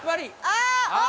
ああ。